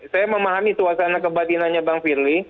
saya memahami tuasana kebatinannya bang pirli